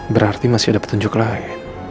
berarti masih ada petunjuk lain